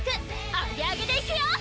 アゲアゲでいくよ！